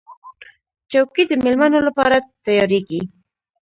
چوکۍ د مېلمنو لپاره تیارېږي.